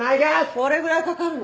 どれぐらいかかるの？